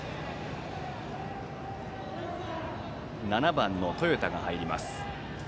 ７番の豊田が入ります。